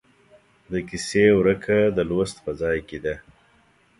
د کیسې ورکه د لوست په ځای کې ده.